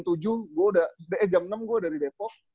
gue udah eh jam enam gue dari depok